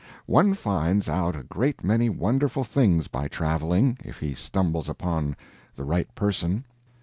One finds out a great many wonderful things, by traveling, if he stumbles upon the right person.